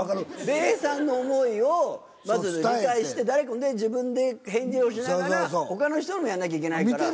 べーさんの思いを理解して自分で返事をしながら他の人もやんなきゃいけないから。